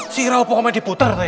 si rawi kok main diputar tadi